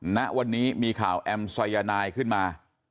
ณวันนี้มีข่าวแอมสายนายขึ้นมา